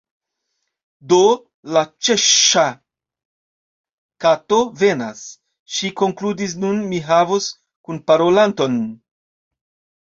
"Do, la Ĉeŝŝa_ Kato venas," ŝi konkludis, "nun mi havos kunparolanton."